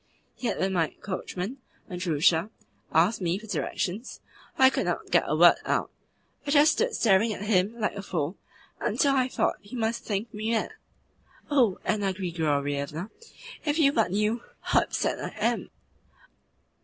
Yet when my coachman, Andrusha, asked me for directions I could not get a word out I just stood staring at him like a fool, until I thought he must think me mad. Oh, Anna Grigorievna, if you but knew how upset I am!"